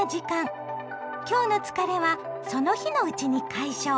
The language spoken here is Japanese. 今日の疲れはその日のうちに解消！